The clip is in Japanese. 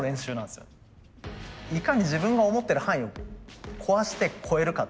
いかに自分が思ってる範囲を壊して超えるか。